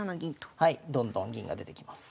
どんどん銀が出てきます。